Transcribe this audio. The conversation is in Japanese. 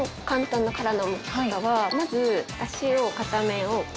まず。